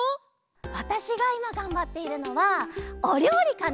わたしがいまがんばっているのはおりょうりかな！